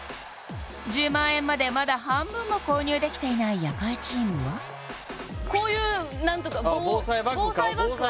１０万円までまだ半分も購入できていない夜会チームはこういう防災バッグは？